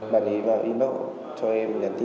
bạn ấy vào inbox cho em nhắn tin cho em là em đánh nhau